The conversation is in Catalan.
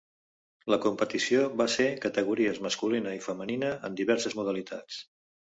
La competició va ser categories masculina i femenina en diverses modalitats.